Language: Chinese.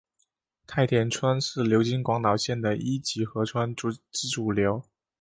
太田川是流经广岛县的一级河川之主流。